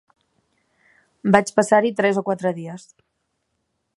Vaig passar-hi tres o quatre dies